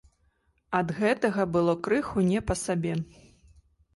Ад гэтага было крыху не па сабе.